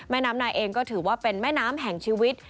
แม่น้ำนายเองก็ถือว่าเป็นแม่น้ำแห่งชีวิต